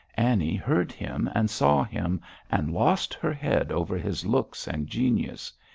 Annie heard him and saw him, and lost her head over his looks and genius.